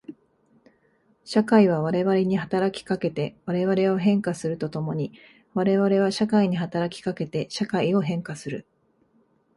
社会は我々に働きかけて我々を変化すると共に我々は社会に働きかけて社会を変化する。